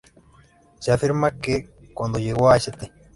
Se afirma que, cuando llegó a St.